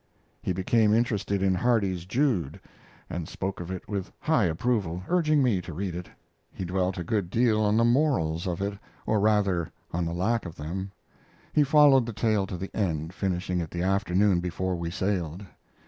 He became interested in Hardy's Jude, and spoke of it with high approval, urging me to read it. He dwelt a good deal on the morals of it, or rather on the lack of them. He followed the tale to the end, finishing it the afternoon before we sailed.